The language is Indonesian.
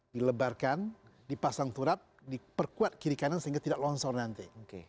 dilebarkan dipasang turap diperkuat kiri kanan sehingga tidak longsor nanti